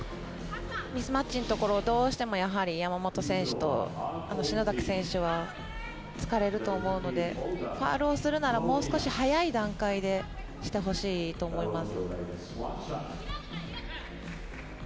ミスマッチのところどうしても山本選手と篠崎選手はつかれると思うのでファウルをするならもう少し早い段階でしてほしいと思います。